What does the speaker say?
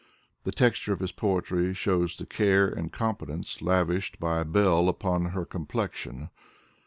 The texture of his poetry shows the care and competence lavished by a belle upon her complexion.